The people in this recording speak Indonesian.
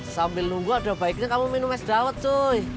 sambil nunggu ada baiknya kamu minum es dawet tuh